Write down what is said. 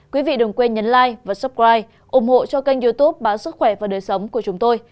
quý vị đừng quên nhấn like và supride ủng hộ cho kênh youtube báo sức khỏe và đời sống của chúng tôi